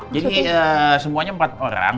jadi semuanya empat orang